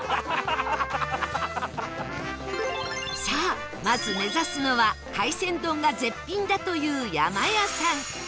さあまず目指すのは海鮮丼が絶品だというやまやさん